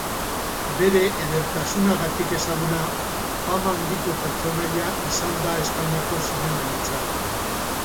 Bere edertasunagatik ezaguna, fama handiko pertsonaia izan da Espainiako zinemagintzan.